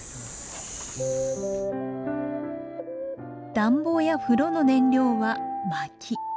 暖房や風呂の燃料はまき。